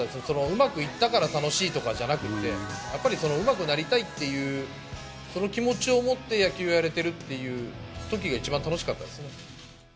うまくいったから楽しいとかじゃなくて、やっぱりうまくなりたいっていう、その気持ちを持って野球をやれてるというときが、一番楽しかったですね。